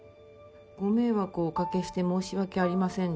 「ご迷惑をおかけして申し訳ありませんでした」